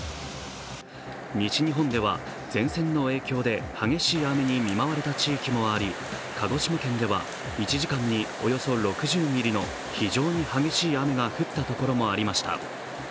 西日本では前線の影響で激しい雨に見舞われた地域もあり鹿児島県では１時間におよそ６０ミリの非常に激しい雨が降ったところもありました。